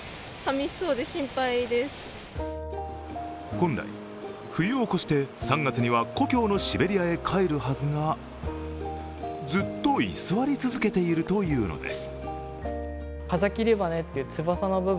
本来、冬を越して３月には故郷のシベリアに帰るはずがずっと居座り続けているというのです。